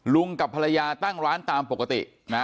กับภรรยาตั้งร้านตามปกตินะ